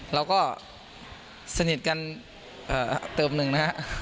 เราก็สนิทกันเติมหนึ่งนะฮะ